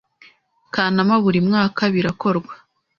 Kanama buri mwaka birakorwa.